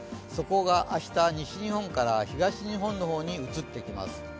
そこが明日、西日本から東日本の方に移ってきます。